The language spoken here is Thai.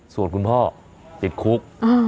ส่วนคุณพ่อติดคุก